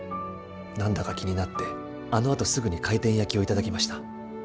何だか気になってあのあとすぐに回転焼きを頂きました。